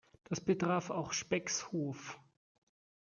Das betraf auch Specks Hof.